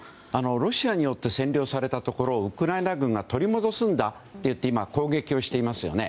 ロシアによって占領されたところをウクライナ軍が取り戻すんだといって攻撃をしていますよね。